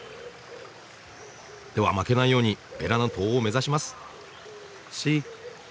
では負けないようにベラの塔を目指します。